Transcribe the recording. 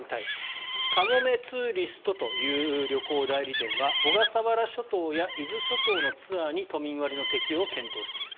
カモメツーリストという旅行代理店は小笠原諸島や伊豆諸島のツアーに都民割の適用を検討している。